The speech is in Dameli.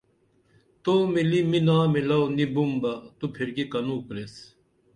تو ملی مِنا میلاو نی بُم بہ تو پِھرکی کنوکُریس